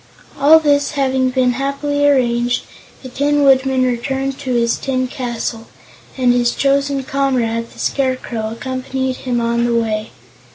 All this having been happily arranged, the Tin Woodman returned to his tin castle, and his chosen comrade, the Scarecrow, accompanied him on the way.